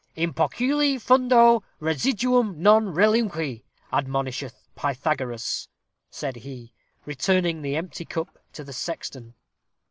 "In poculi fundo residuum non relinque, admonisheth Pythagoras," said he, returning the empty cup to the sexton.